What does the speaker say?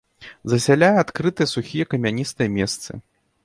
Засяляе адкрытыя сухія камяністыя месцы.